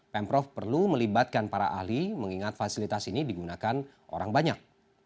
pemprov perlu melibatkan para ahli mengingat fasilitas ini digunakan orang banyak